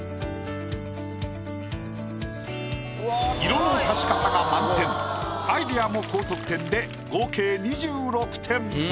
色の足し方が満点アイディアも高得点で合計２６点。